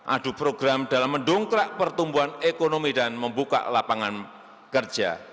adu program dalam mendongkrak pertumbuhan ekonomi dan membuka lapangan kerja